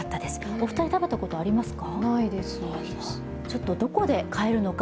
お二人、食べたことありますか？